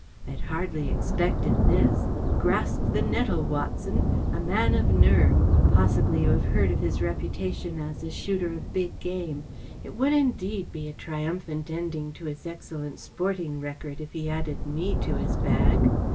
I had hardly expected this. Grasp the nettle, Watson ! A man of nerve. Possibly you have heard of his repu¬ tation as a shooter of big game. It would indeed be a triumphant ending to his excel¬ lent sporting record if he added me to his bag.